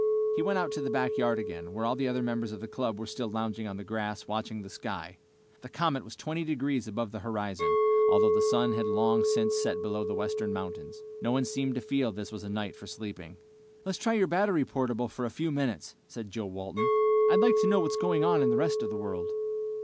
He went out to the backyard again, where all the other members of the club were still lounging on the grass, watching the sky. The comet was twenty degrees above the horizon, although the sun had long since set below the western mountains. No one seemed to feel this was a night for sleeping. "Let's try your battery portable for a few minutes," said Joe Walton. "I'd like to know what's going on in the rest of the world."